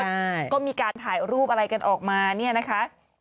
ใช่ก็มีการถ่ายรูปอะไรกันออกมาเนี่ยนะคะ